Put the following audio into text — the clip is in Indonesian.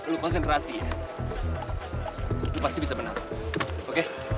lo konsentrasi ya lo pasti bisa menang oke